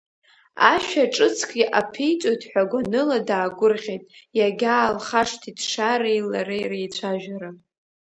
Ашәа ҿыцк аԥиҵоит ҳәа гәаныла даагәырӷьеит, иагьаалхашҭит Шареи лареи реицәажәара.